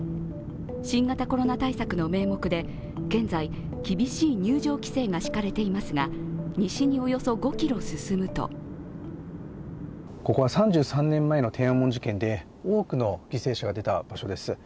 新型コロナ対策の名目で現在、厳しい入場規制が敷かれていますが西におよそ５ｋｍ進むとここは３３年前の天安門事件で多くの犠牲者が出た場所です。